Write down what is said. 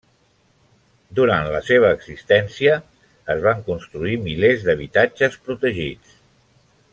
Durant la seva existència es van construir milers d'habitatges protegits.